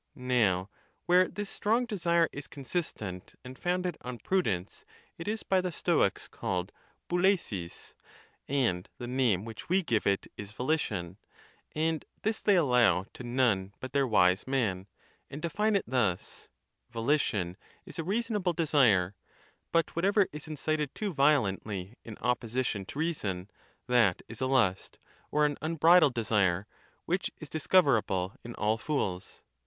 Now, where this strong desire is consistent and founded on prudence, it is by the Stoics called BotAnoc, and the name which we give it is volition; and this they allow to none but their wise man, and define it thus: Volition is a reasonable de sire; but whatever is incited too violently in opposition to reason, that is a lust, or an unbridled desire, which is dis coverable in all fools.